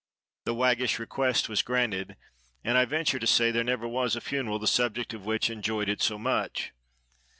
The waggish request was granted; and I venture to say there never was a funeral the subject of which enjoyed it so much.